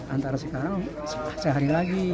antara sekarang sehari lagi